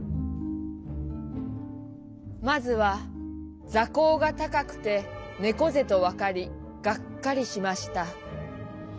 「まずは座高が高くてねこ背とわかりがっかりしました。